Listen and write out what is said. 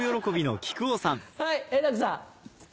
はい円楽さん。